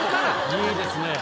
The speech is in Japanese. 良いですね。